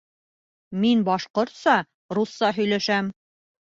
Мин башҡортса, русса һөйләшәм.